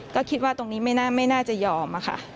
ก็คิดว่าตรงนี้ไม่น่าจะยอมค่ะ